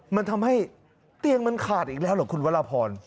มันทำให้เตียงมันขาดอีกแล้วเหรอคุณวรพร